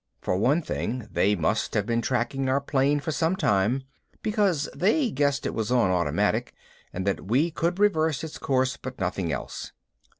For one thing, they must have been tracking our plane for some time, because they guessed it was on automatic and that we could reverse its course but nothing else.